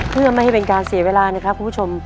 เพื่อไม่ให้เป็นการเสียเวลานะครับคุณผู้ชม